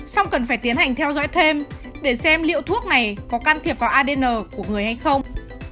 song cần phải tiến hành theo dõi thêm để xem liệu thuốc này có can thiệp vào adn của người hay không